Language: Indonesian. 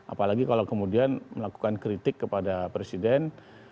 apalagi kalau kemudian melakukan kritik kepada presiden